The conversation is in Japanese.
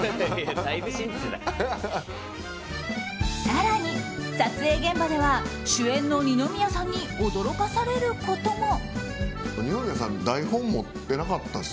更に撮影現場では主演の二宮さんに驚かされることも。